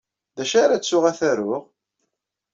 D acu ara ttuɣ ad t-aruɣ?